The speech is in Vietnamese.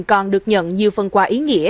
còn được nhận nhiều phần quà ý nghĩa